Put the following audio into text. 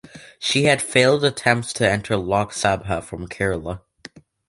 She had failed attempts to enter Lok Sabha from Kerala.